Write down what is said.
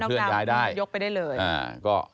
เผื่อเขายังไม่ได้งาน